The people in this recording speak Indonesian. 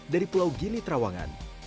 dari pulau gili terawangan